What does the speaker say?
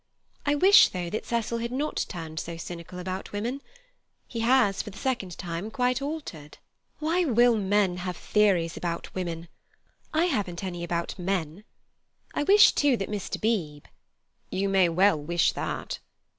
I wish, though, that Cecil had not turned so cynical about women. He has, for the second time, quite altered. Why will men have theories about women? I haven't any about men. I wish, too, that Mr. Beebe—" "You may well wish that."